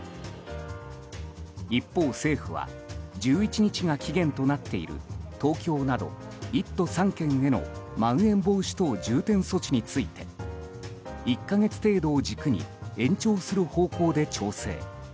一方、政府は１１日が期限となっている東京など１都３県へのまん延防止等重点措置について１か月程度を軸に延長する方向で調整。